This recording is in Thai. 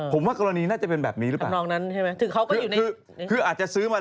ผมว่ากรณีน่าจะเป็นแบบนี้ที่เค้าก็อยู่ใน